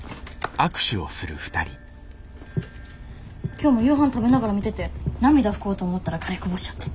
今日も夕飯食べながら見てて涙拭こうと思ったらカレーこぼしちゃって。